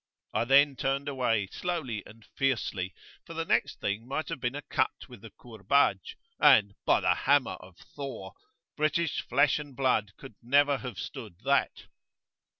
I then turned away slowly and fiercely, for the next thing might have been a cut with the Kurbaj,[FN#7] and, by the hammer of Thor! British flesh and blood could never have stood that.